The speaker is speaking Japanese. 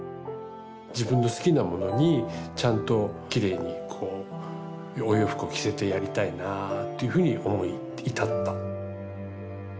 自分の好きなものにちゃんときれいにこうお洋服を着せてやりたいなというふうに思い至った。